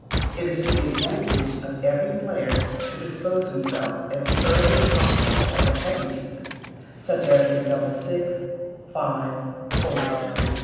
It is to the advantage of every player to dispossess himself as early as possible of the heavy pieces, such as a double six, five, four, &c.